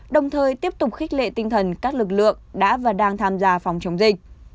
đồng thời tiếp tục khích lệ tinh thần các lực lượng đã và đang tham gia phòng chống dịch